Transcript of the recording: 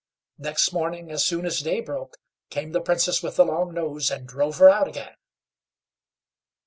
Next morning, as soon as day broke, came the Princess with the long nose, and drove her out again.